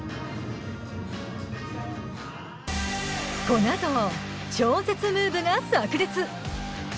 このあと超絶ムーブがさく裂！